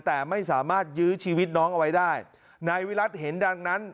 แต่ไม่สามารถยื้อชีวิตน้องเอาไว้ได้นายวิรัติเห็นดังนั้น